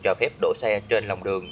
cho phép đỗ xe trên lòng đường